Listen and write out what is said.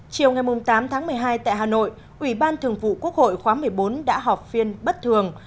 chiều ngày tám tháng một mươi hai tại hà nội ủy ban thường vụ quốc hội khóa một mươi bốn đã họp phiên bất thường